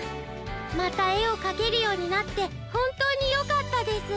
またえをかけるようになってほんとうによかったです。